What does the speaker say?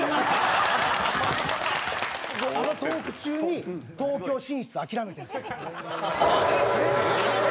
あのトーク中に東京進出、諦めてるんですよ。